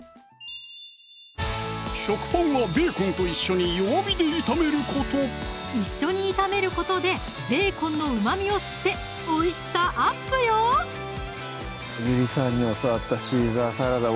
食パンはベーコンと一緒に弱火で炒めること一緒に炒めることでベーコンのうまみを吸っておいしさアップよゆりさんに教わった「シーザーサラダ」